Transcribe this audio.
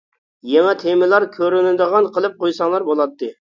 يېڭى تېمىلار كۆرۈنىدىغان قىلىپ قويساڭلار بولاتتى.